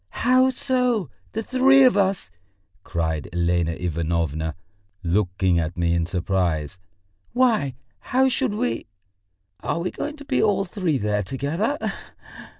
"How so, the three of us?" cried Elena Ivanovna, looking at me in surprise. "Why, how should we ... are we going to be all three there together?